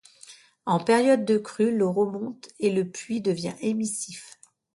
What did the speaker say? En période de crue, l'eau remonte et le puits devient émissif.